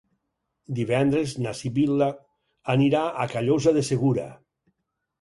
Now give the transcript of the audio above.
Divendres na Sibil·la anirà a Callosa de Segura.